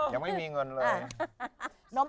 ยังไม่มีเงินเลย